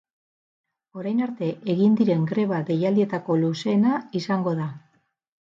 Orain arte egin diren greba deialdietako luzeena izango da.